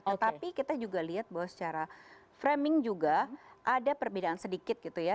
tetapi kita juga lihat bahwa secara framing juga ada perbedaan sedikit gitu ya